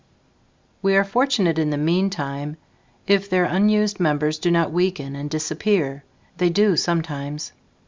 We are fortunate in the meantime if their unused members do not weaken and disappear. They do sometimes.